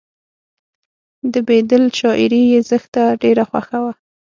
د بیدل شاعري یې زښته ډېره خوښه وه